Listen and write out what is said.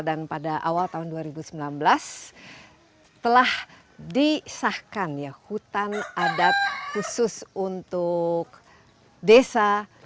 dan pada awal tahun dua ribu sembilan belas telah disahkan hutan adat khusus untuk desa